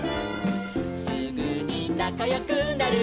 「すぐになかよくなるの」